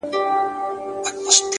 باڼه به مي په نيمه شپه و لار ته ور وړم’